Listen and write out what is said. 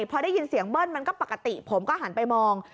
พอได้ยินเสียงเบิ้ลมันก็ปกติผมก็หันไปมอง